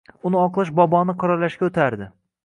Uni oqlash boboni qoralashga o‘tardi